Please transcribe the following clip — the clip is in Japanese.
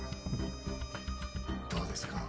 どうですか？